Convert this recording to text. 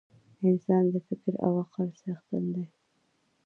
انسان د فکر او عقل څښتن دی.